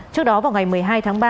trước đó vào ngày một mươi hai tháng ba